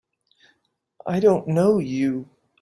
I don't know you!